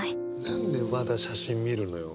何でまだ写真見るのよ。